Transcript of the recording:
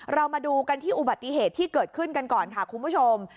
เรามาดูกันที่อุบัติเหตุที่เกิดขึ้นกันก่อนค่ะคุณผู้ชม